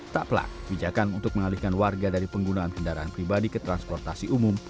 tak pelak bijakan untuk mengalihkan warga dari penggunaan kendaraan pribadi ke transportasi umum